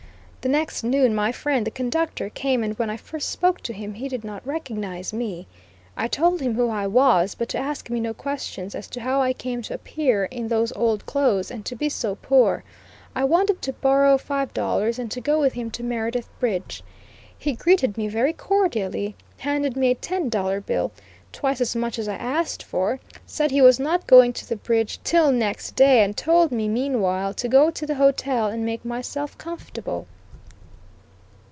The next noon my friend, the conductor, came and when I first spoke to him he did not recognize me; I told him who I was, but to ask me no questions as to how I came to appear in those old clothes, and to be so poor; I wanted to borrow five dollars, and to go with him to Meredith Bridge. He greeted me very cordially, handed me a ten dollar Bill twice as much as I asked for said he was not going to the Bridge till next day, and told me meanwhile, to go to the hotel and make myself comfortable.